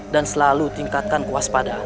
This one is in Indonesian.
dan selalu tingkatkan kewaspadaan